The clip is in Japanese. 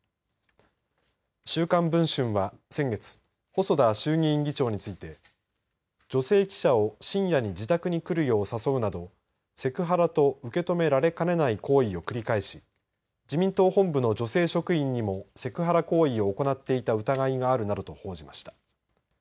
週刊文春は先月細田衆議院議長について女性記者を深夜に自宅に来るよう誘うなどセクハラと受け止められかねない行為を繰り返し自民党本部の女性職員にもセクハラ行為を行っていた疑いがあるなどと報じました。